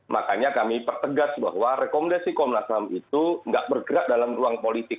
makanya kami pertegas bahwa rekomendasi komnas ham itu tidak bergerak dalam ruang politik